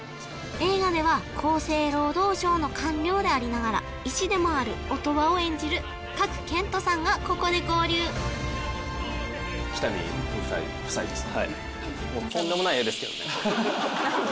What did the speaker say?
映画では厚生労働省の官僚でありながら医師でもある音羽を演じる賀来賢人さんがここで合流はいもう何で？